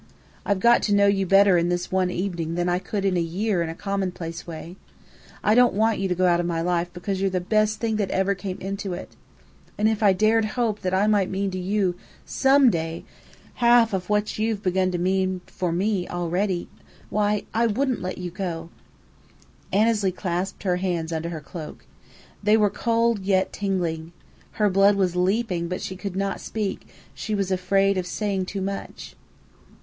I've got to know you better in this one evening than I could in a year in a commonplace way. I don't want you to go out of my life, because you're the best thing that ever came into it. And if I dared hope that I might mean to you some day half what you've begun to mean for me already, why, I wouldn't let you go!" Annesley clasped her hands under her cloak. They were cold yet tingling. Her blood was leaping; but she could not speak. She was afraid of saying too much.